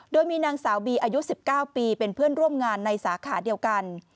โดยมีนางสาวบีอายุ๑๙ปีเป็นเพื่อนร่วมงานในสาขาเดียวกัน